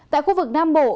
tại khu vực nam bộ